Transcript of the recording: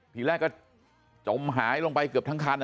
ทีแรกก็จมหายลงไปเกือบทั้งคัน